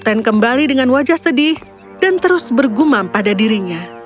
kembali kembali dengan wajah sedih dan terus berw shivaus karu smiling